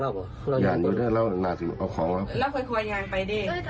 แล้วสังเกตดูว่าเป็นยังไง